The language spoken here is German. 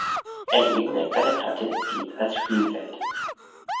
Eine ebene, glatte Platte dient als Spielfeld.